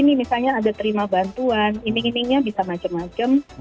tetapi ini misalnya ada terima bantuan iming imingnya bisa macem macem